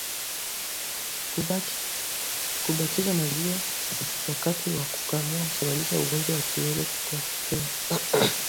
Kubakiza maziwa wakati wa kukamua husababisha ugonjwa wa kiwele kutokea